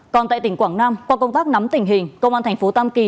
còn tại tỉnh quảng nam qua công tác nắm tình hình công an thành phố tam kỳ